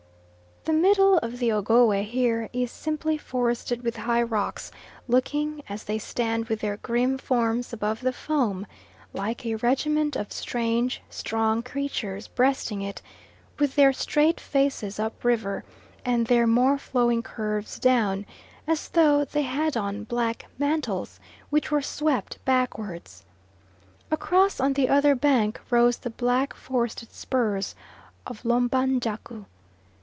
The middle of the Ogowe here is simply forested with high rocks, looking, as they stand with their grim forms above the foam, like a regiment of strange strong creatures breasting it, with their straight faces up river, and their more flowing curves down, as though they had on black mantles which were swept backwards. Across on the other bank rose the black forested spurs of Lomba njaku.